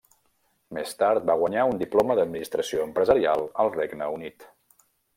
Més tard va guanyar un Diploma d'Administració Empresarial al Regne Unit.